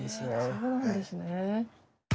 そうなんですね。